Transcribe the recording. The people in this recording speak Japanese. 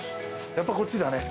やっぱこっちだね。